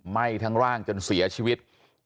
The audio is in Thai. ไหม้ทั้งร่างจนเสียชีวิต